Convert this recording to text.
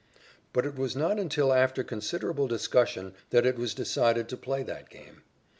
But it was not until after considerable discussion that it was decided to play that game.